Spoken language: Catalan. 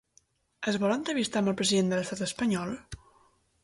Es vol entrevistar amb el president de l'estat espanyol?